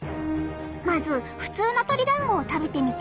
まず普通の鶏だんごを食べてみて！